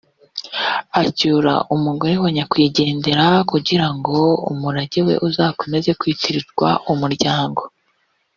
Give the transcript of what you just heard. acyura umugore wa nyakwigendera kugira ngo umurage we uzakomeze kwitirirwa umuryango